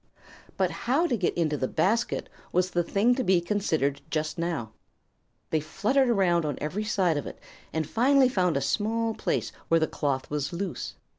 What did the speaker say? But how to get into the basket was the thing to be considered just now. They fluttered around on every side of it, and finally found a small place where the cloth was loose.